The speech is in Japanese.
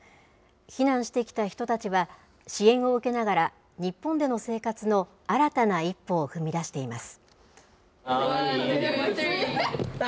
避難してきた人たちは、支援を受けながら、日本での生活の新たな一歩を踏み出しています。